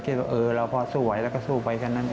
คิดว่าเราพอสู้ไหวแล้วก็สู้ไปกันนั้น